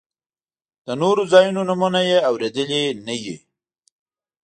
د نورو ځایونو نومونه یې اورېدلي نه وي.